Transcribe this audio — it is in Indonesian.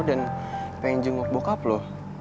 dan pengen jenguk bokap lo